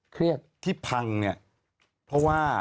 เครียดที่พังเนี่ยเพราะว่า